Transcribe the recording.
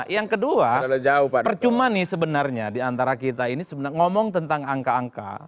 yang kedua percuma nih sebenarnya diantara kita ini sebenarnya ngomong tentang angka angka